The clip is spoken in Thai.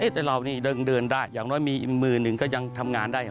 แต่เรานี่เดินได้อย่างน้อยมีอีกมือหนึ่งก็ยังทำงานได้